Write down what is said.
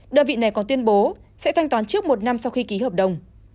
đơn vị này còn tuyên bố sẽ thanh toán trước một năm sau khi ký hợp đồng